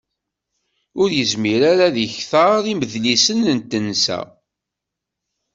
Ur yezmir ara ad d-yekter imedlisen n tensa.